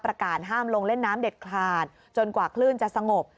การห้ามลงเล่นน้ำเด็ดขาดจนกว่าคลื่นจะสงบ